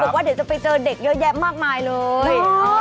บอกว่าเดี๋ยวจะไปเจอเด็กเยอะแยะมากมายเลย